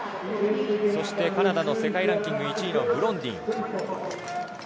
カナダの世界ランキング１位、ブロンディン。